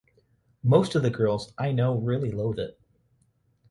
Most of the girls I know really loathe it.